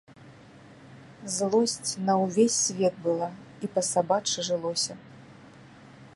Злосць на ўвесь свет была, і па-сабачы жылося.